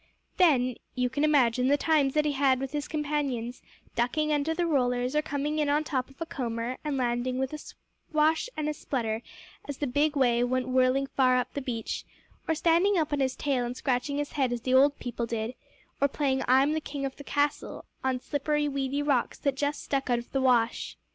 Then you can imagine the times that he had with his companions, ducking under the rollers; or coming in on top of a comber and landing with a swash and a splutter as the big wave went whirling far up the beach; or standing up on his tail and scratching his head as the old people did; or playing "I'm the King of the Castle" on slippery, weedy rocks that just stuck out of the wash.